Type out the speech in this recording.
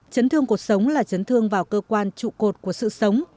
chấn thương cuộc sống là chấn thương vào cơ quan trụ cột của sự sống